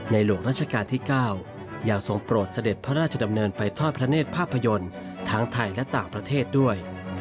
หลวงราชการที่๙ยังทรงโปรดเสด็จพระราชดำเนินไปทอดพระเนธภาพยนตร์ทั้งไทยและต่างประเทศด้วย